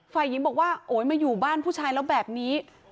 ฝ่ายหญิงบอกว่าโอ๊ยมาอยู่บ้านผู้ชายแล้วแบบนี้